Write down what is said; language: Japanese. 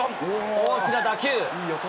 大きな打球。